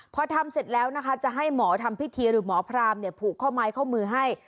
พอทำเสร็จแล้วนะคะจะให้หมอทำพิธีหรือหมอพรามผูกข้อไม้ข้อมือให้